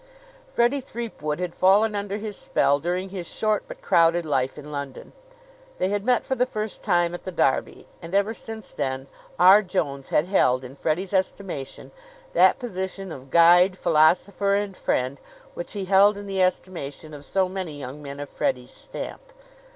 Freddie Threepwood had fallen under his spell during his short but crowded life in London. They had met for the first time at the Derby; and ever since then R. Jones had held in Freddie's estimation that position of guide, philosopher and friend which he held in the estimation of so many young men of Freddie's stamp.